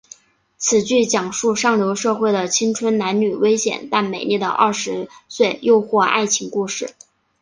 此剧讲述上流社会的青春男女危险但美丽的二十岁诱惑爱情故事。